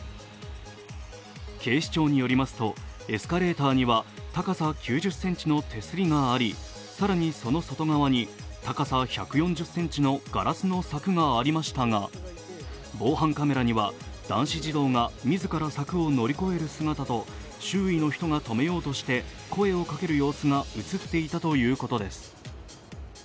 警視庁によりますと、エスカレーターには高さ９０ｃｍの手すりがあり、更にその外側に高さ１４０ｃｍのガラスの柵がありましたが防犯カメラには男子児童が自ら柵を乗り越える姿と周囲の人が止めようとして声をかける様子が映っていたということです。